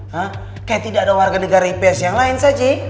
kayak tidak ada warga negara ripes yang lain saja